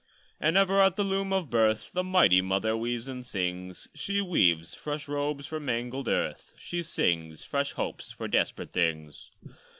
And ever at the loom of Birth The mighty Mother weaves and sings: She weaves fresh robes for mangled earth; She sings fresh hopes for desperate things.